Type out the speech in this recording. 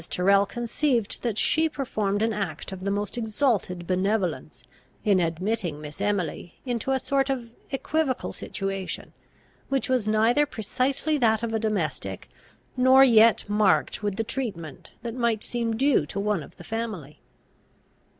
Tyrrel conceived that she performed an act of the most exalted benevolence in admitting Miss Emily into a sort of equivocal situation, which was neither precisely that of a domestic, nor yet marked with the treatment that might seem due to one of the family.